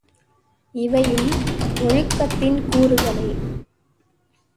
இவையும் ஒழுக்கத்தின் கூறுகளே!